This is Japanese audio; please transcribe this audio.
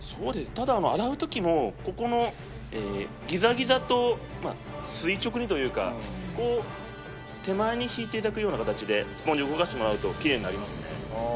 ただ洗う時もここのギザギザと垂直にというか手前に引いていただくような形でスポンジを動かしてもらうとキレイになりますね。